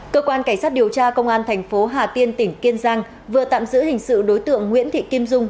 cơ quan cảnh sát điều tra công an thành phố hà tiên tỉnh kiên giang vừa tạm giữ hình sự đối tượng nguyễn thị kim dung